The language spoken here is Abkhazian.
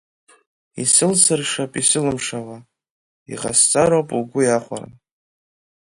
Исылсыршап исылымшауа, иҟасҵароуп угәы иахәара.